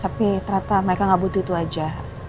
tapi ternyata mereka nggak butuh itu aja